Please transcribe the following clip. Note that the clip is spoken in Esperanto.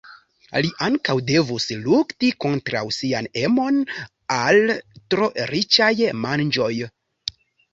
Li ankaŭ devus lukti kontraŭ sian emon al tro riĉaj manĝoj.